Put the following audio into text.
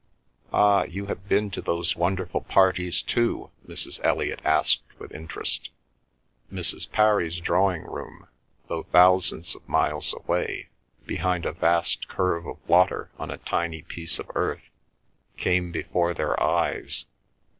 "Ah—you have been to those wonderful parties too?" Mrs. Elliot asked with interest. Mrs. Parry's drawing room, though thousands of miles away, behind a vast curve of water on a tiny piece of earth, came before their eyes.